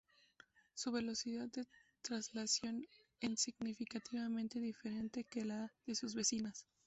Su velocidad de traslación en significativamente diferente que la de sus vecinas.